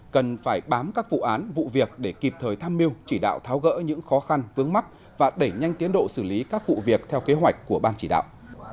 cần phải bám các vụ án vụ việc để kịp thời tham mưu chỉ đạo tháo gỡ những khó khăn vướng mắt và đẩy nhanh tiến độ xử lý các vụ việc theo kế hoạch của ban chỉ đạo